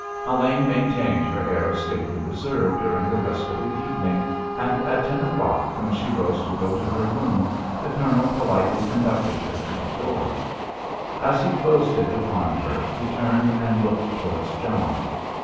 Elaine maintained her air of stately reserve during the rest of the evening, and at ten o'clock, when she rose to go to her room, the Colonel politely conducted her to the door. As he closed it upon her he turned and looked towards John.